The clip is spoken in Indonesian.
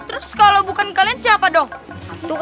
terus kalau bukan kalian siapa dong